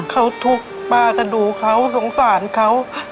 เขาทุกข์ป้าก็ดูเขาสงสารเขา